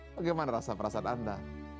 bagaimana rasa perasaan anda